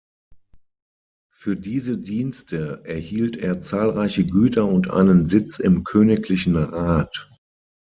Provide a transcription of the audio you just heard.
Für diese Dienste erhielt er zahlreiche Güter und einen Sitz im königlichen Rat.